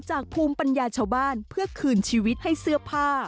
ภูมิปัญญาชาวบ้านเพื่อคืนชีวิตให้เสื้อผ้า